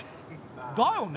だよね。